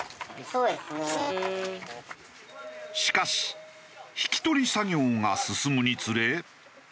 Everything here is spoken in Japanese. しかし引き取り作業が進むにつれ。